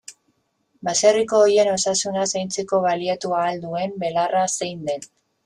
Baserriko oiloen osasuna zaintzeko baliatu ahal duen belarra zein den.